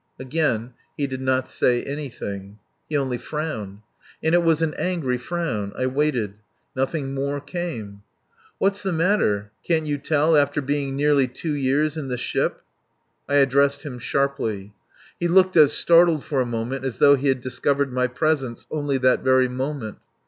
Again he did not say anything. He only frowned. And it was an angry frown. I waited. Nothing more came. "What's the matter? ... Can't you tell after being nearly two years in the ship?" I addressed him sharply. He looked as startled for a moment as though he had discovered my presence only that very moment.